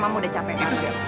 mama udah capek